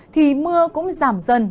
thì mưa cũng giảm dần